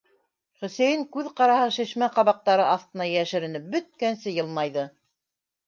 - Хөсәйен күҙ ҡараһы шешмә ҡабаҡтары аҫтына йәшеренеп бөткәнсе йылмайҙы.